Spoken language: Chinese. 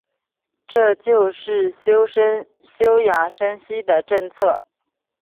这就是休养生息的政策。